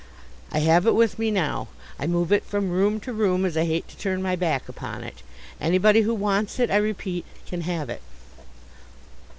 I have it with me now. I move it from room to room, as I hate to turn my back upon it. Anybody who wants it, I repeat, can have it.